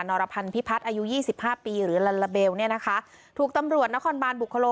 นอรพันธ์พิพัฒน์อายุ๒๕ปีหรือลัลลาเบลถูกตำรวจนครบานบุคโล